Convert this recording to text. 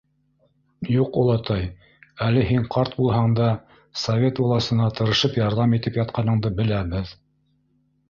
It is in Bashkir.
— Юҡ, олатай, әле һин, ҡарт булһаң да, Совет власына тырышып ярҙам итеп ятҡаныңды беләбеҙ.